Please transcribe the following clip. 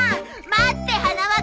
待って花輪君！